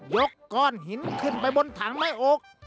ยกก้อนหินขึ้นไปบนถังไม้โอ๊ค